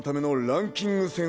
ランキング戦？